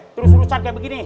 terus terusan kayak begini